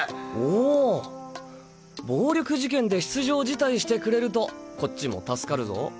お暴力事件で出場辞退してくれるとこっちも助かるぞ。